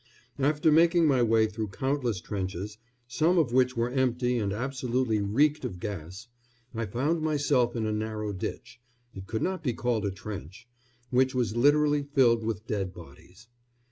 After making my way through countless trenches, some of which were empty and absolutely reeked of gas, I found myself in a narrow ditch it could not be called a trench which was literally filled with dead bodies.